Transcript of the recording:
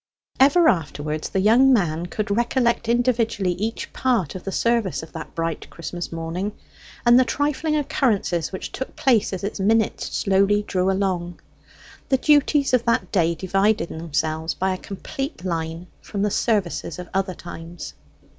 Ever afterwards the young man could recollect individually each part of the service of that bright Christmas morning, and the trifling occurrences which took place as its minutes slowly drew along; the duties of that day dividing themselves by a complete line from the services of other times.